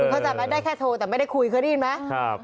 ก็จะมาได้แค่โทรแต่ไม่ได้คุยเค้าได้ยินไหมครับ